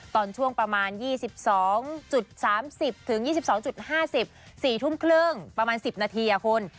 ตอนช่วงประมาณ๒๒๓๐๒๒๕๐๔ทุ่มครึ่งประมาณ๑๐นาทีคุณ